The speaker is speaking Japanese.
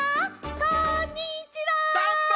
こんにちは！